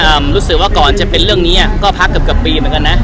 รู้สึกว่าก่อนจะเป็นเรื่องนี้อ่ะก็พักเกือบเกือบปีเหมือนกันนะ